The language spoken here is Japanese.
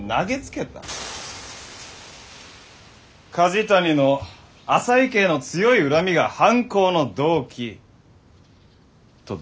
梶谷の浅井家への強い恨みが犯行の動機と誰もが思った。